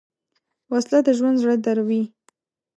وسله د ژوند زړه دروي